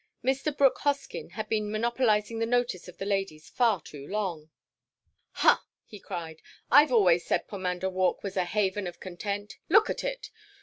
Mr. Brooke Hoskyn had been monopolising the notice of the ladies far too long. "Hah!" he cried, "I 've always said Pomander Walk was a Haven of Content. Look at it!"